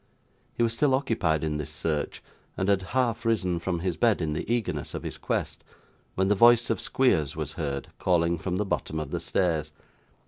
He was still occupied in this search, and had half risen from his bed in the eagerness of his quest, when the voice of Squeers was heard, calling from the bottom of the stairs.